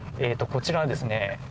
こちらはですね